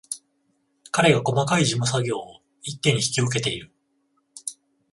彼が細かい事務作業を一手に引き受けている